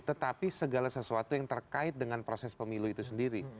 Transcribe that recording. tetapi segala sesuatu yang terkait dengan proses pemilu itu sendiri